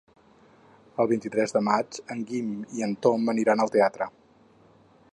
El vint-i-tres de maig en Guim i en Tom aniran al teatre.